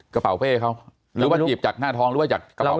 กระเป๋าเป้เขาหรือว่าจีบจากหน้าทองหรือว่าจากกระเป๋า